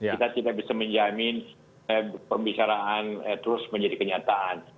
kita tidak bisa menjamin pembicaraan terus menjadi kenyataan